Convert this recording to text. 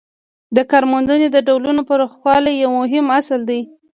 د کارموندنې د ډولونو پراخوالی یو مهم اصل دی.